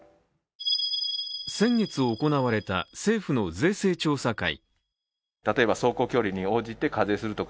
先月行われた政府の税制調査会。